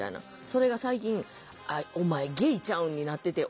それが最近「お前ゲイちゃうん」になってて。